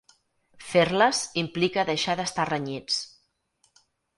Fer-les implica deixar d'estar renyits.